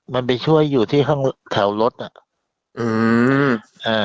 มันไปช่วยอยู่ที่ห้องแถวรถอ่ะอืมอ่า